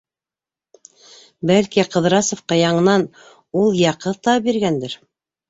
Бәлки, Ҡыҙрасовҡа яңынан ул, йә ҡыҙ табып биргәндер.